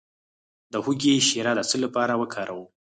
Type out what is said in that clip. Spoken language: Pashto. د هوږې شیره د څه لپاره وکاروم؟